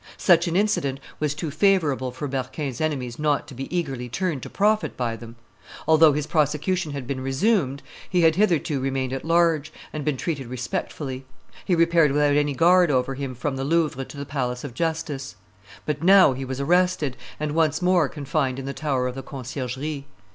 Such an incident was too favorable for Berquin's enemies not to be eagerly turned to profit by them. Although his prosecution had been resumed, he had hitherto remained at large, and been treated respectfully; he repaired without any guard over him from the Louvre to the Palace of Justice. But now he was arrested, and once more confined in the tower of the Conciergerie.